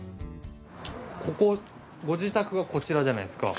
ここご自宅がこちらじゃないですか。